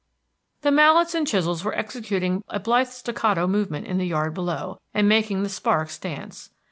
The mallets and chisels were executing a blithe staccato movement in the yard below, and making the sparks dance.